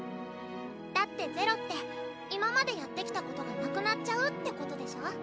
だって０って今までやってきたことがなくなっちゃうってことでしょ？